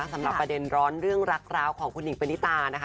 สำหรับประเด็นร้อนเรื่องรักร้าวของคุณหิงปณิตานะคะ